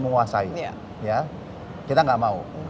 menguasai kita tidak mau